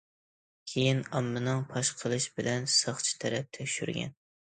كېيىن ئاممىنىڭ پاش قىلىشى بىلەن ساقچى تەرەپ تەكشۈرگەن.